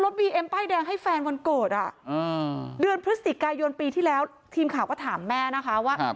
จนปีที่แล้วทีมข่าวก็ถามแม่นะคะว่า